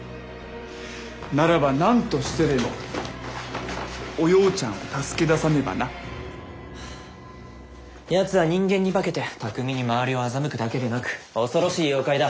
ならば何としてでもおようちゃんを助け出さねばな。はあやつは人間に化けて巧みに周りを欺くだけでなく恐ろしい妖怪だ。